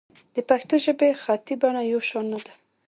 د پښتو ژبې خطي بڼه یو شان نه ده.